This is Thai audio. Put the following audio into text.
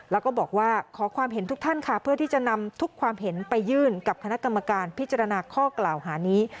แล้วก็บอกว่าขอความเห็นทุกท่านค่ะเพื่อที่จะนำทุกความเห็นไปยื่นกับคณะกรรมการพิจารณาข้อกล่าวหานี้